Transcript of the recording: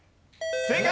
正解！